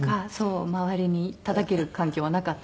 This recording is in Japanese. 周りにたたける環境はなかったので。